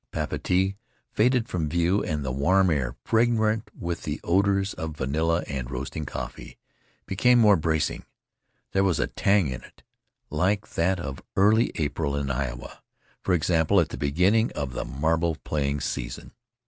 Papeete faded from view, and the warm air, fragrant with the odors of vanilla and roasting coffee, became more bracing. There was a tang in it, like that of early April, in Iowa, for example, at the beginning of the marble Faery Lands of the South Seas playing season.